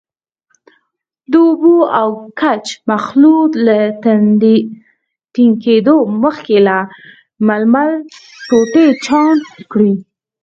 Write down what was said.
د اوبو او ګچ مخلوط له ټینګېدو مخکې له ململ ټوټې چاڼ کړئ.